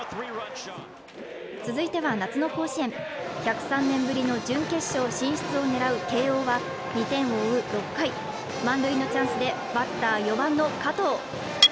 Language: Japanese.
続いては夏の甲子園１０１年ぶりの準決勝進出を狙う慶応は２点を追う６回、満塁のチャンスでバッター・４番の加藤。